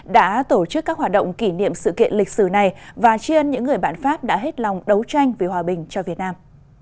đã tổ chức các hoạt động kỷ niệm sự kiện lịch sử này và chiên những người bạn pháp đã hết lòng đấu tranh vì hòa bình cho việt nam